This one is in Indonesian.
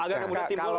agak kemudian timbul